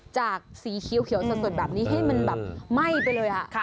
จากสีเขียวส่วนแบบนี้ให้มันแบบไหม้ไปเลยค่ะ